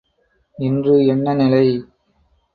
இன்று என்ன நிலை?